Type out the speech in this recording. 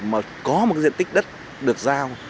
mà có một diện tích đất được giao